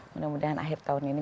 mudah mudahan akhir tahun ini